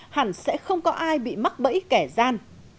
hẳn sẽ không có ai bị mắc bẫy kẻ gian